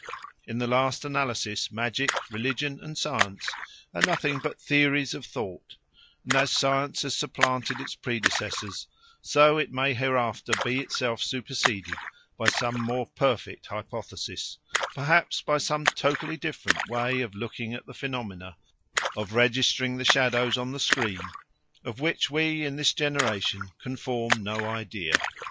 In the last analysis magic, religion, and science are nothing but theories of thought; and as science has supplanted its predecessors, so it may hereafter be itself superseded by some more perfect hypothesis, perhaps by some totally different way of looking at the phenomena of registering the shadows on the screen of which we in this generation can form no idea.